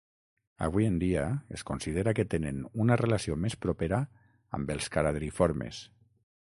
Avui en dia es considera que tenen una relació més propera amb els caradriformes.